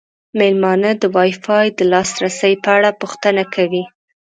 میلمانه د وای فای د لاسرسي په اړه پوښتنه کوي.